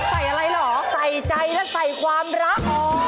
ใส่อะไรเหรอใส่ใจและใส่ความรัก